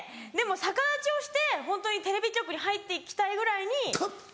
逆立ちをしてテレビ局に入って行きたいぐらいに。